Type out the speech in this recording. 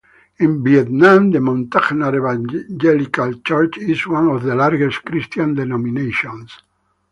In Vietnam the Montagnard Evangelical Church is one of the largest Christian denominations.